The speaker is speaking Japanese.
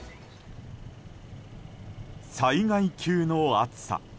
災害級の暑さ。